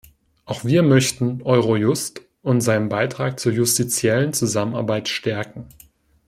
Auch wir möchten Eurojust und seinen Beitrag zur justiziellen Zusammenarbeit stärken.